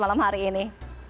malam hari ini